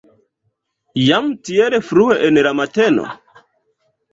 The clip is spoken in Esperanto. Jam tiel frue en la mateno?